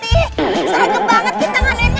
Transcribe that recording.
seragam banget kita nganiinnya